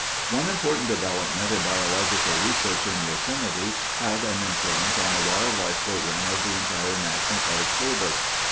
One important development in biological research in Yosemite had an influence on the wildlife program of the entire National Park Service.